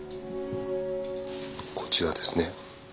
こちらですね。